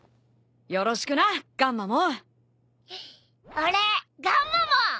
俺ガンマモン！